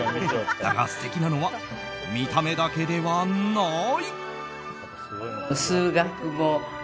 だが、素敵なのは見た目だけではない。